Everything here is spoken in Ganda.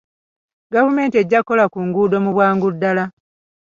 Gavumenti ejja kukola ku nguudo mu bwangu ddala.